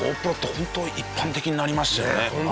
ホント一般的になりましたよね。